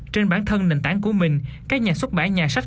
trên bản thân nền tảng của mình các nhà xuất bản nhà sách